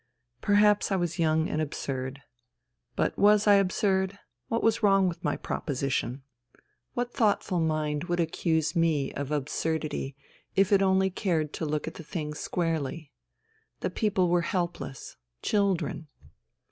Perhaps I was young and absurd. But was I absurd ? What was wrong with my proposition ? 68 FUTILITY What thoughtful mind would accuse me of absurdity if it only cared to look at the thing squarely ? The people were helpless — children.